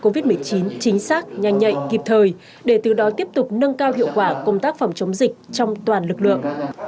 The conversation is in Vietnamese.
covid một mươi chín chính xác nhanh nhạy kịp thời để từ đó tiếp tục nâng cao hiệu quả công tác phòng chống dịch trong toàn lực lượng